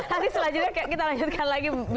hari selanjutnya kita lanjutkan lagi